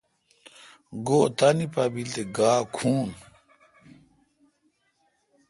گو°تانی پا بیل تے گا کھوں۔